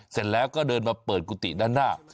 เสร็จแล้วก็เดินมาเปิดกุฏิด้านหน้า